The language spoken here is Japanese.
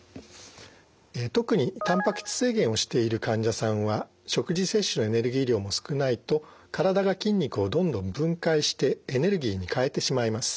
特にたんぱく質制限をしている患者さんは食事摂取のエネルギー量も少ないと体が筋肉をどんどん分解してエネルギーに変えてしまいます。